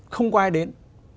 không có ai đến